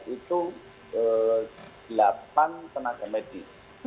empat belas itu delapan tenaga medis